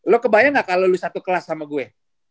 lu kebayang gak kalo lu satu kelas sama gue